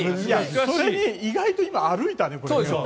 それに意外と今、歩いたね。